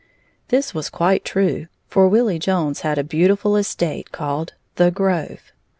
This was quite true, for Willie Jones had a beautiful estate called "The Grove."